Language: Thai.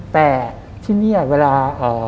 แต่ที่นี่เวลา